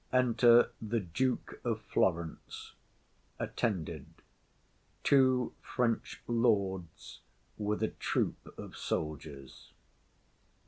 Enter the Duke of Florence attended; two French Lords, and Soldiers.